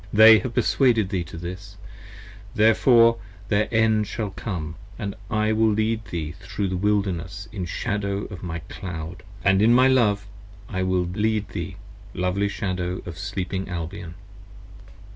35 They have perswaded thee to this, therefore their end shall come, And I will lead thee thro' the Wilderness in shadow of my cloud, And in my love I will lead thee, lovely Shadow of Sleeping Albion.